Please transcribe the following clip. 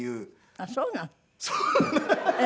あっそうなの。